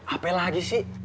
apa lagi sih